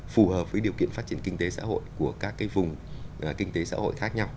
phù hợp với điều kiện phát triển kinh tế xã hội của các cái vùng kinh tế xã hội khác nhau